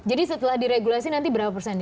jadi setelah diregulasi nanti berapa persen